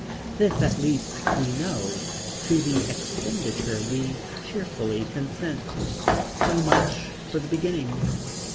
This at least we know to the expenditure we cheerfully consent. So much for the beginning.